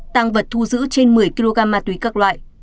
tăng vật thu giữ trên một mươi kg ma túy các loại